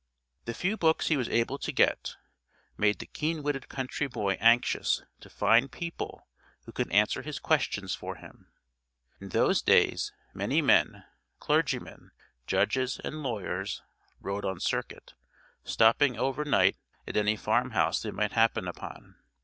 The few books he was able to get made the keen witted country boy anxious to find people who could answer his questions for him. In those days many men, clergymen, judges, and lawyers, rode on circuit, stopping over night at any farmhouse they might happen upon.